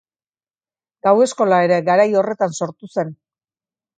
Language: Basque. Gau-eskola ere garai horretan sortu zen.